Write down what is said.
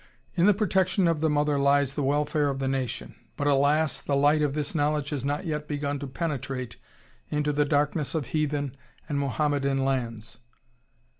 In the protection of the mother lies the welfare of the nation. But alas! the light of this knowledge has not yet begun to penetrate into the darkness of heathen and Mohammedan lands.